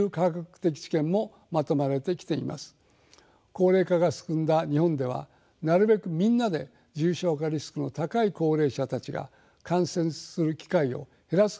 高齢化が進んだ日本ではなるべくみんなで重症化リスクの高い高齢者たちが感染する機会を減らす配慮が必要です。